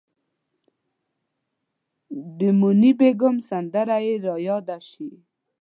د موني بیګم سندره یې ریاده شي.